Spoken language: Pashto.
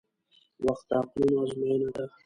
• وخت د عقلونو ازموینه ده.